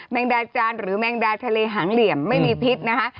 งดาจานหรือแมงดาทะเลหางเหลี่ยมไม่มีพิษนะคะ